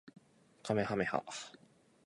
かめはめ波